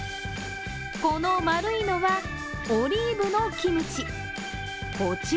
この丸いのは、オリーブのキムチ。